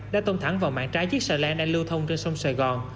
đã tông thẳng vào mạng trái chiếc xà lan đang lưu thông trên sông sài gòn